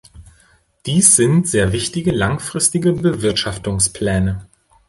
Dies sind sehr wichtige langfristige Bewirtschaftungspläne.